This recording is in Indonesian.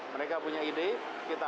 mereka punya ide kita